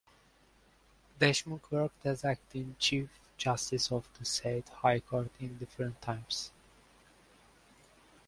Deshmukh worked as acting Chief Justice of the said High Court in different times.